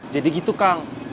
jadi gitu kang